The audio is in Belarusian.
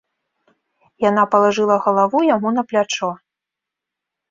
Яна палажыла галаву яму на плячо.